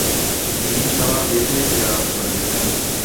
তিনি শালার বিয়েতে চিটাগাং চলে গেছেন।